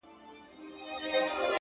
• چي د جنګ پر نغارو باندي بل اور سو,